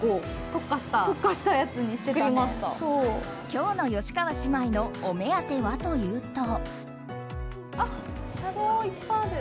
今日の吉川姉妹のお目当てはというと。